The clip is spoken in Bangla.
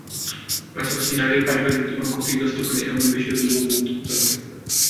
পাশাপাশি নারীর পারিবারিক জীবন ক্ষতিগ্রস্ত করে এমন বিষয়গুলোকেও গুরুত্ব দিতে হবে।